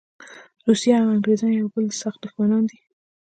روسیه او انګریزان د یوه بل سخت دښمنان دي.